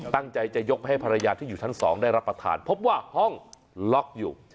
ตั้งใจจะยกให้ภรรยาที่อยู่ชั้น๒ได้รับประทานพบว่าห้องล็อกอยู่